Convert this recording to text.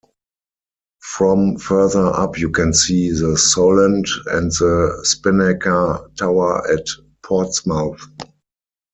From further up you can see the Solent and the Spinnaker Tower at Portsmouth.